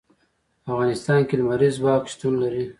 په افغانستان کې لمریز ځواک شتون لري.